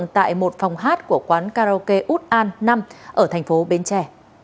tại một phòng hát của quán karaoke út an năm ở thành phố bến trẻ